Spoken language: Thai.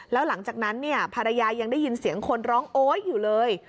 แล้วหลังจากนั้นเนี่ยภรรยายังได้ยินเสียงคนร้องโอ๊ยอยู่เลย